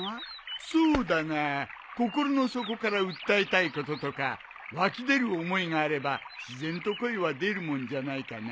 そうだな心の底から訴えたいこととか湧き出る思いがあれば自然と声は出るもんじゃないかな。